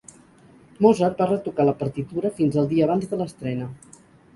Mozart va retocar la partitura fins al dia abans de l'estrena.